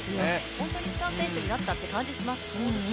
本当にスター選手になったという感じがします。